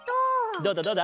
どうだどうだ？